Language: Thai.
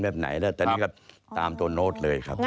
ตัดตามโดยตัวเลยครับ